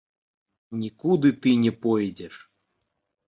Нікуды ты не пойдзеш.